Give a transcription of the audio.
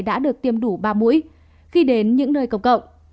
đã được tiêm đủ ba mũi khi đến những nơi công cộng